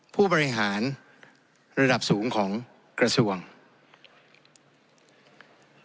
ผู้บริหารระดับสูงของกระทรวงศึกษาธิการ